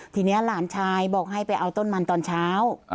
ทีนี้หลานชายบอกให้ไปเอาต้นมันตอนเช้า